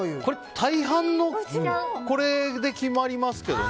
大半、これで決まりますけどね。